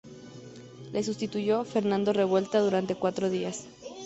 Le sustituyó Fernando Revuelta durante cuatro dias.